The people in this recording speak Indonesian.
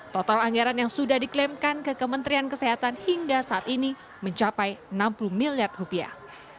total anggaran yang sudah diklaimkan ke kementerian kesehatan hingga saat ini mencapai enam puluh miliar rupiah